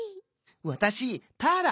「わたしターラ。